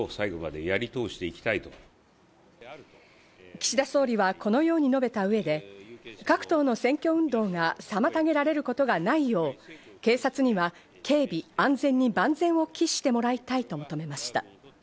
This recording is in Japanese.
岸田総理はこのように述べた上で各党の選挙運動が妨げられることがないよう、警察には警備、安全に万全を期してもらいたいと求めました。